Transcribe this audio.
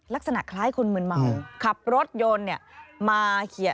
ลักษณะคล้ายคนเมืองเมาขับรถยนต์